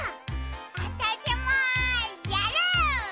わたしもやる！